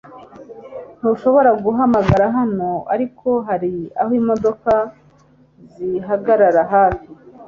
ntushobora guhagarara hano. ariko, hari aho imodoka zihagarara hafi